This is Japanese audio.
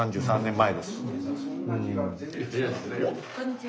こんにちは。